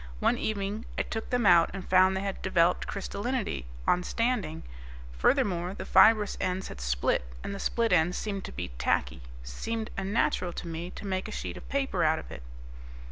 One evening I took them out and found they had developed crystallinity on standing. Furthermore, the fibrous ends had split, and the split ends seemed to be tacky seemed a natural to me to make a sheet of paper out of it."